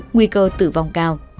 nguy cơ tử vong cao